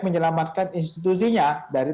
menyelamatkan institusinya dari